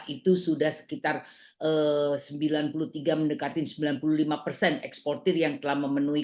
itu sudah sekitar sembilan puluh tiga mendekati sembilan puluh lima persen eksportir yang telah memenuhi